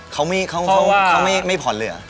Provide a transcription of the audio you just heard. เขาไม่ผ่อนเลยเหรอ